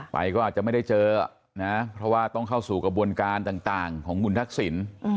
ไปก็อาจจะไม่ได้เจอนะเพราะว่าต้องเข้าสู่กระบวนการต่างของคุณทักษิณ